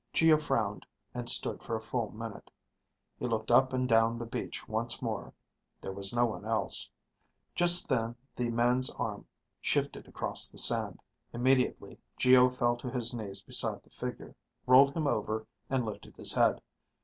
Geo frowned and stood for a full minute. He looked up and down the beach once more. There was no one else. Just then the man's arm shifted across the sand. Immediately Geo fell to his knees beside the figure, rolled him over and lifted his head.